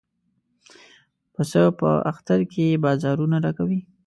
پسه په اختر کې بازارونه ډکوي.